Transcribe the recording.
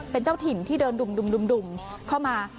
เป็นเจ้าถิ่นที่เดินดุ่มเข้ามา